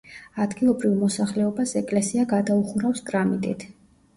ადგილობრივ მოსახლეობას ეკლესია გადაუხურავს კრამიტით.